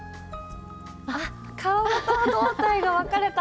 あっ顔と胴体が分かれた！